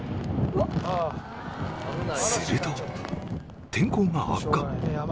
すると天候が悪化